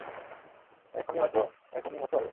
এখনই হয়তো এখনই মরতে পারবো।